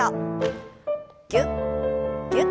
ぎゅっぎゅっ。